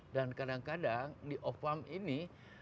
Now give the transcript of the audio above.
dan kadang kadang di ofam ini